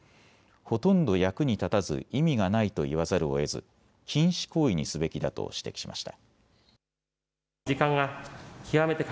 ほとんど役に立たず意味がないと言わざるをえず禁止行為にすべきだと指摘しました。